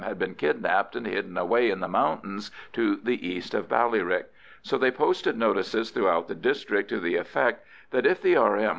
had been kidnapped and hidden away in the mountains to the east of Ballyrick. So they posted notices throughout the district to the effect that, if the R.M.